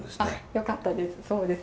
よかったです。